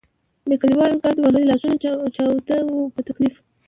د کلیوالو ګرد وهلي لاسونه چاود وو په تکلیف.